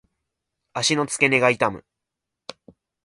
足の付け根が痛む。